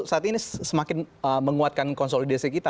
saat ini semakin menguatkan konsolidasi kita